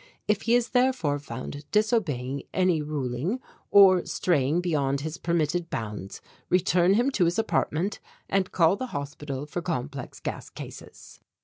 If he is therefore found disobeying any ruling or straying beyond his permitted bounds, return him to his apartment and call the Hospital for Complex Gas Cases."